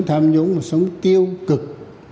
chúng ta phải tham nhũng một sống tiêu cực